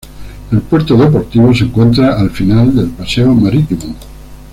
El Puerto Deportivo se encuentra al final del paseo marítimo.